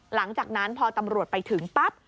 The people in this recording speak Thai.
หลังจากนั้นพอตำรวจไปถึงปั๊บ